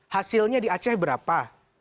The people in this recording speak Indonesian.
hasilnya di aceh berapa